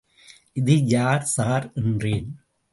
இது யார் சார்? என்றேன்.